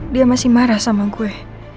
dia masih marah sama gue